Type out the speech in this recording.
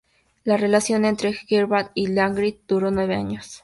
La relación entre Gebhard y Langtry duró nueve años.